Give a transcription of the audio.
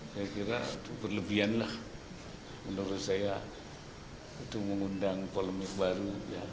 saya kira itu berlebihan lah menurut saya itu mengundang polemik baru